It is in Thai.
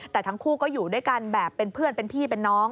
แต่ทั้งคู่ก็อยู่ด้วยกันแบบเป็นเพื่อนเป็นพี่เป็นน้อง